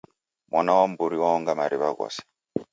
Mwana wa mburi waonga mariw'a ghose.